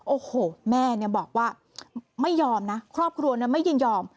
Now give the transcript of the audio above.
โอ้โหแม่บอกว่าไม่ยอมนะครอบครัวไม่ยินยอม